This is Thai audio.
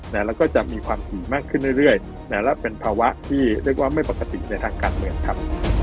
แล้วก็จะมีความถี่มากขึ้นเรื่อยและเป็นภาวะที่เรียกว่าไม่ปกติในทางการเมืองครับ